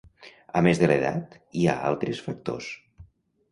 A més de l'edat, hi ha altres factors.